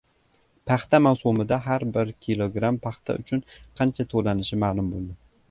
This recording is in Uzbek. Paxta mavsumida har bir kilogramm paxta uchun qancha to‘lanishi ma’lum bo‘ldi